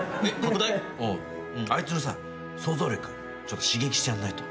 あいつのさ想像力ちょっと刺激してやんないと。